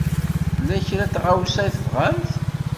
Tella kra n tɣawsa i tebɣamt?